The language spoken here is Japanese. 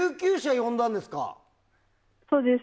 そうです。